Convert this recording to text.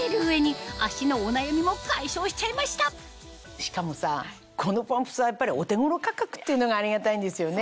しかもこのパンプスはやっぱりお手頃価格っていうのがありがたいんですよね。